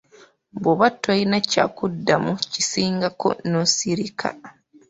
Bw’oba tolina ky’akuddamu kisingako n’osirika.